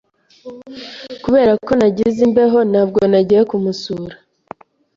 Kubera ko nagize imbeho, ntabwo nagiye kumusura.